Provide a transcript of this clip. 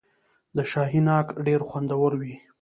د شاهي ناک ډیر خوندور وي.